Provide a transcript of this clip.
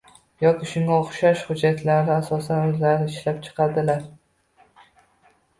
yoki shunga o‘xshash hujjatlarini asosan, o‘zlari ishlab chiqadilar